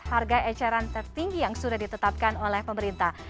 harga eceran tertinggi yang sudah ditetapkan oleh pemerintah